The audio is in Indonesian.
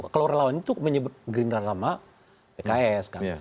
kalau relawan itu menyebut gerindra sama pks kan